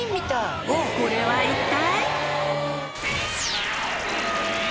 これは一体？